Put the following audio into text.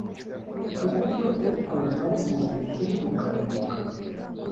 ku buryo epfo na ruguru ihinduka umukara